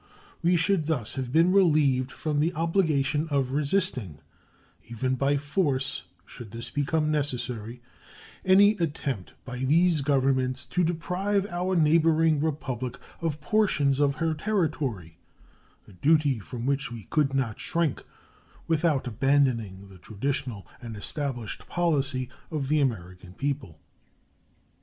We should thus have been relieved from the obligation of resisting, even by force should this become necessary, any attempt by these Governments to deprive our neighboring Republic of portions of her territory a duty from which we could not shrink without abandoning the traditional and established policy of the American people.